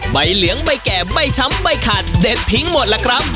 ใบเหลืองใบแก่ใบช้ำใบขาดเด็ดทิ้งหมดล่ะครับ